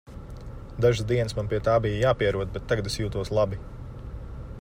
Dažas dienas man pie tā bija jāpierod, bet tagad es jūtos labi.